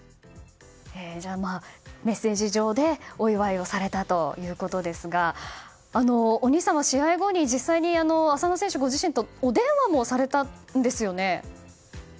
じゃあ、メッセージ上でお祝いをされたということですがお兄さんは試合後に実際に、浅野選手ご自身とお電話もされたんですよね？